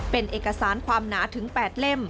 เป็นเอกสารความหนาถึง๘เล่ม